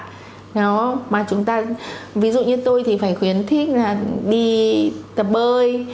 đúng không mà chúng ta ví dụ như tôi thì phải khuyến thích là đi tập bơi